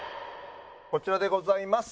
こちらでございます。